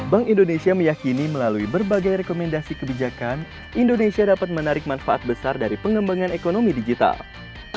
bank indonesia meyakini melalui berbagai rekomendasi kebijakan indonesia dapat menarik manfaat besar dari pengembangan ekonomi digital